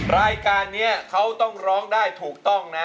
รายการนี้เขาต้องร้องได้ถูกต้องนะ